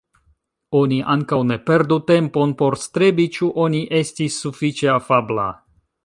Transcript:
Oni ankaŭ ne perdu tempon por stresi ĉu oni estis sufiĉe afabla.